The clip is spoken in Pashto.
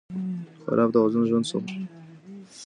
خراب توازن ژوند سختوي.